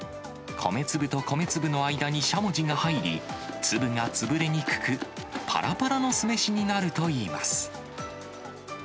米粒と米粒の間にしゃもじが入り、粒が潰れにくく、ぱらぱらの酢飯になるといいます。